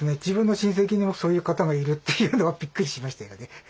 自分の親戚にもそういう方がいるっていうのはビックリしましたよね